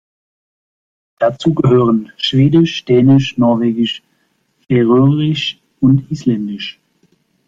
Dazu gehören: Schwedisch, Dänisch, Norwegisch, Färöisch und Isländisch.